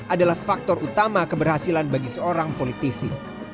adalah faktor utama keberhasilan bagi seorang politisi